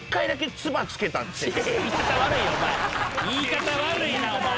言い方悪いお前。